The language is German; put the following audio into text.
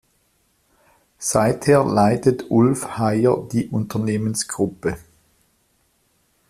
Seither leitet Ulf Heyer die Unternehmensgruppe.